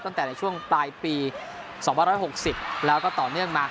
ตั้งแต่ในช่วงปลายปีสองพันร้อยหกสิบแล้วก็ต่อเนื่องมา